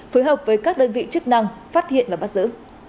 phối hợp với các đơn vị chức năng phát hiện và bắt giữ